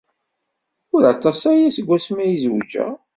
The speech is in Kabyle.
Ur aṭas aya seg wasmi ay zewjeɣ.